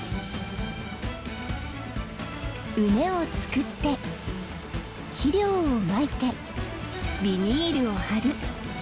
畝を作って肥料をまいてビニールを張る。